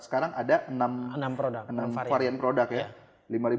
sekarang ada enam varian produk ya